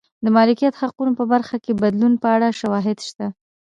د مالکیت حقونو په برخه کې بدلون په اړه شواهد شته.